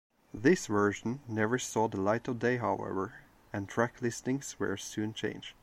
This version never saw the light of day however, and track-listings were soon changed.